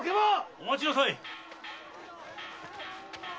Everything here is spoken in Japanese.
・お待ちなさい！